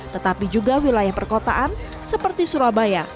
tetapi juga wilayah perkotaan seperti surabaya